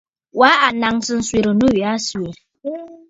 Wa a naŋsə nswegə nû yì aa swègə̀.